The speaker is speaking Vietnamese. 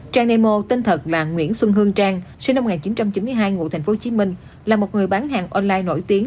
trang nemo tên thật là nguyễn xuân hương trang sinh năm một nghìn chín trăm chín mươi hai ngụ tp hcm là một người bán hàng online nổi tiếng